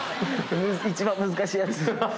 一番難しいやつ。